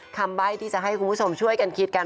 ใบ้ที่จะให้คุณผู้ชมช่วยกันคิดกัน